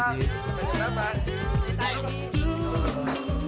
beberapa hari lagi